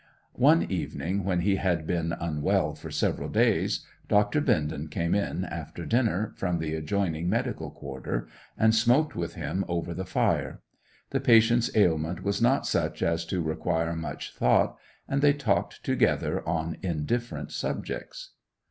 One evening, when he had been unwell for several days, Doctor Bindon came in, after dinner, from the adjoining medical quarter, and smoked with him over the fire. The patient's ailment was not such as to require much thought, and they talked together on indifferent subjects.